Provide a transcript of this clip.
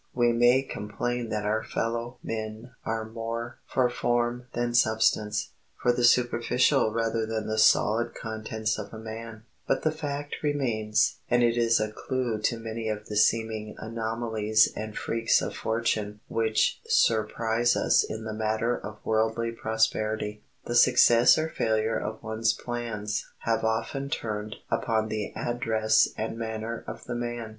We may complain that our fellow men are more for form than substance, for the superficial rather than the solid contents of a man, but the fact remains, and it is a clew to many of the seeming anomalies and freaks of fortune which surprise us in the matter of worldly prosperity. The success or failure of one's plans have often turned upon the address and manner of the man.